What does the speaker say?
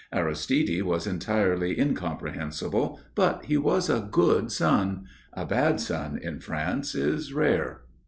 Aristide was entirely incomprehensible, but he was a good son. A bad son in France is rare.